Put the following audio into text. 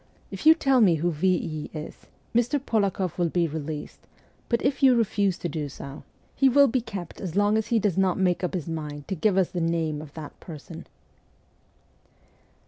If you tell me who V. E. is, Mr. Polakoff will be released ; but if you refuse to do so, he will be kept as long as he does not make up his mind to give us the name of that person.'